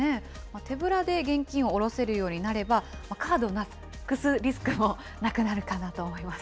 手ぶらで現金を下ろせるようになれば、カードをなくすリスクもなくなるかなと思います。